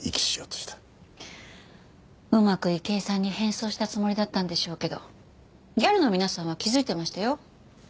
うまく池井さんに変装したつもりだったんでしょうけどギャルの皆さんは気づいてましたよ。